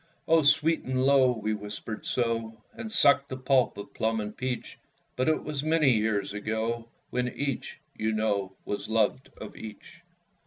Oh, sweet and low, we whispered so, And sucked the pulp of plum and peach; But it was many years ago, When each, you know, was loved of each.